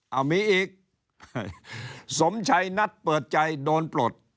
เอามีอีกสมชัยนัดเปิดใจโดนปลด